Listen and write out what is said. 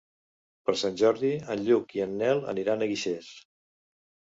Per Sant Jordi en Lluc i en Nel aniran a Guixers.